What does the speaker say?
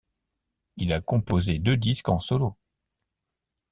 Il a composé deux disques en solo.